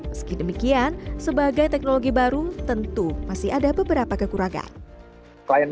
meski demikian sebagai teknologi baru tentu masih ada beberapa kekurangan